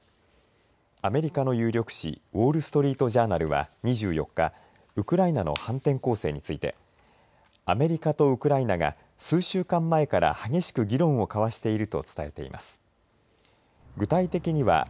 アメリカの有力紙ウォール・ストリート・ジャーナルは２４日ウクライナの反転攻勢についてアメリカとウクライナが数週間前から激しく議論を交わしていると伝えています。